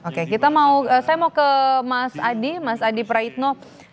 oke saya mau ke mas adi mas adi praitno